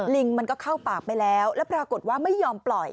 ลิงมันก็เข้าปากไปแล้วแล้วปรากฏว่าไม่ยอมปล่อย